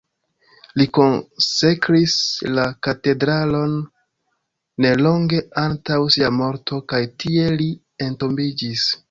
Li konsekris la katedralon ne longe antaŭ sia morto, kaj tie li entombiĝis.